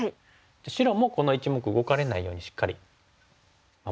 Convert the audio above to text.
白もこの１目動かれないようにしっかり守っておいて。